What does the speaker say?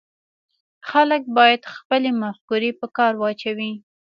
خلک باید خپلې مفکورې په کار واچوي